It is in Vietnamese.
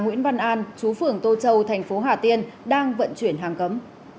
nguyễn văn an chú phường tô châu thành phố hà tiên đang vận chuyển hàng cấm